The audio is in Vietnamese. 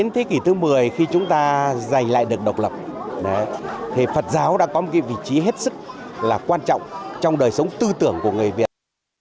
đồng hành với người việt cho đến thế kỷ thứ một mươi khi chúng ta giải lại được độc lập thì phật giáo đã có một cái vị trí hết sức là quan trọng trong đời sống tư tưởng của người việt